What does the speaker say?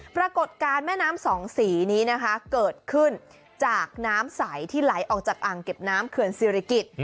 ปรากฏการณ์แม่น้ำสองสีนี้นะคะเกิดขึ้นจากน้ำใสที่ไหลออกจากอ่างเก็บน้ำเขื่อนศิริกิจ